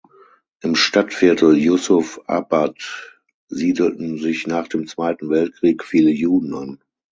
Im Stadtviertel "Yusuf Abad" siedelten sich nach dem Zweiten Weltkrieg viele Juden an.